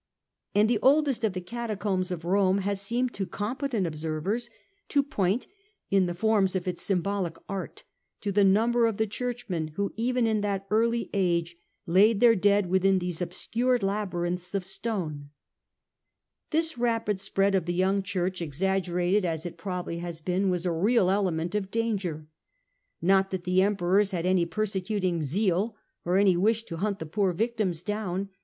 And the oldest of the Cata combs of Rome has seemed to competent observers to point in the forms of its symbolic art to the number of the churchmen who, even in that early age, laid their dead within those obscure labyrinths of stone. This rapid spread of the young churches, exag CH. VI, The Empire a 7 id Chris timiity. 139 gerated as it probably has been, was a real element of danger. Not that the Emperors had any persecuting zeal, or any wish to hunt the poor victims down.